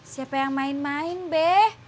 siapa yang main main be